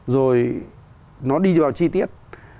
rồi nó đi vào chi tiết